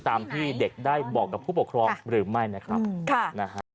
ตามที่เด็กได้บอกกับผู้ปกครองหรือไม่นะครับค่ะนะฮะ